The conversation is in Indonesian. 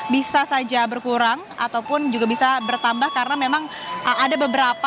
bisa saja berkurang ataupun juga bisa bertambah karena memang ada beberapa